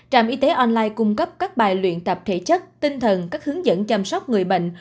trạm y tế online cung cấp các bài luyện tập thể chất tinh thần các hướng dẫn chăm sóc người bệnh